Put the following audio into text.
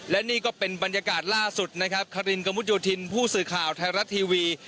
และนี่ก็เป็นบรรยากาศล่าสุดนะครับคารินกระมุดโยธินผู้สื่อข่าวไทยรัฐทีวี